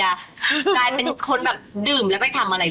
ได้ข่าวว่าหลังจากที่มีหมายสารมาที่บ้าน